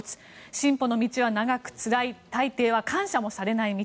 進歩の道は長くつらく大抵は感謝もされない道。